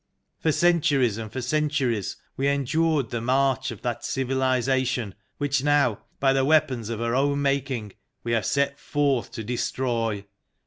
" For centuries and for centuries we endured the March of that Civilization which now, by the weapons of her own making, we have set forth to destroy.